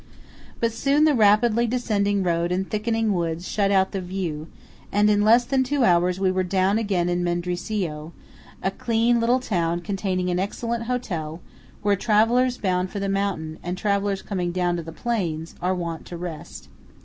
But soon the rapidly descending road and thickening woods shut out the view, and in less than two hours we were down again in Mendrisio, a clean little town containing an excellent hotel, where travellers bound for the mountain, and travellers coming down to the plains, are wont to rest.